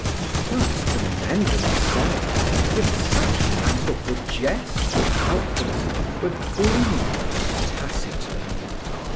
But the men themselves with such matter for jest about them were gloomy and taciturn.